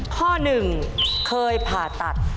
ข้อหนึ่งเคยผ่าตัด